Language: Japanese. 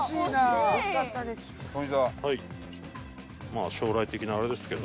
まあ将来的なあれですけど。